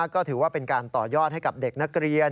ก็ถือว่าเป็นการต่อยอดให้กับเด็กนักเรียน